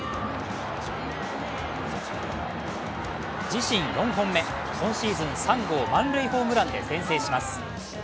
自身４本目、今シーズン３号満塁ホームランで先制します。